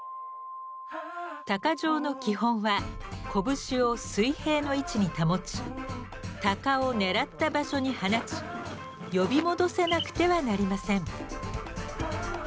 鷹匠の基本は拳を水平の位置に保ち鷹を狙った場所に放ち呼び戻せなくてはなりません。